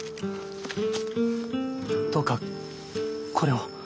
どうかこれを。